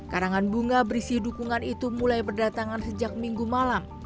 karangan bunga berisi dukungan itu mulai berdatangan sejak minggu malam